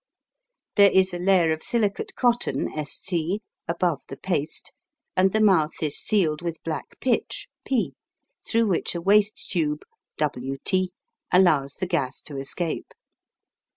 There is a layer of silicate cotton S C above the paste, and the mouth is sealed with black pitch P, through which a waste tube W T allows the gas to escape.